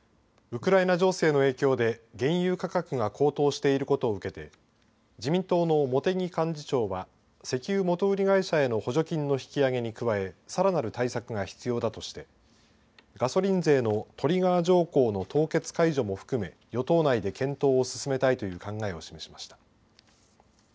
ウクライナ情勢の影響で原油価格が高騰していることを受けて自民党の茂木幹事長は石油元売り会社への補助金の引き上げに加えさらなる対策が必要だとしてガソリン税のトリガー条項の凍結解除も含め与党内で検討を進めたいという考えを示しました。